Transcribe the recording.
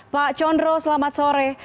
pak conro selamat sore